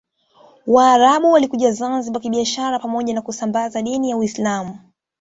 Waarabu walikuja Zanzibar kibiashara pamoja na kusambaza dini ya Uislamu